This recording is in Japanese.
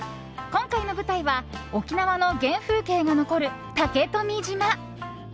今回の舞台は沖縄の原風景が残る竹富島。